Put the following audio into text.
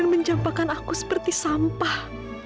dan menjampakan aku seperti sampah